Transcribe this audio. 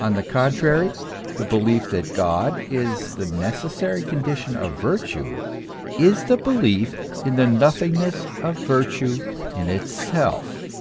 On the contrary, the belief that God is the necessary condition of virtue, is the belief in the nothingness of virtue in itself.